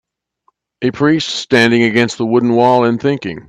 a priest standing against the wooden wall and thinking